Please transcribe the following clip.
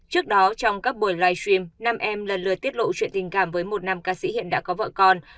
trước đó trong các buổi livestream nam em lần lượt tiết lộ chuyện tình cảm với một nam ca sĩ hiện đã có vợ con